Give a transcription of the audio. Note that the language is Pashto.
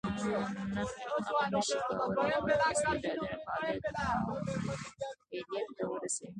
هغه نشي کولای خپل استعدادونه فعلیت ته ورسوي.